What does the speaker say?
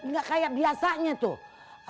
gak kayak biasanya tuh